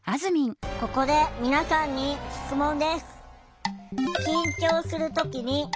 ここで皆さんに質問です。